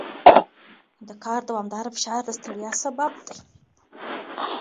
د کار دوامداره فشار د ستړیا سبب دی.